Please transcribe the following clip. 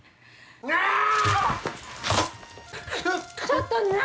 ちょっと何！